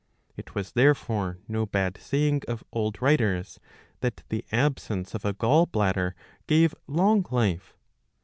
^^ It was therefore no bad saying of old writers that the aUsence of a gall bladder gave long life.